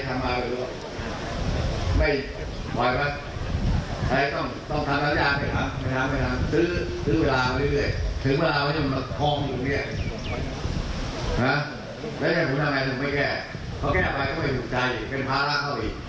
การภาระก็เลยถูกโยนจากหลายภาษามาถึงภาษานี้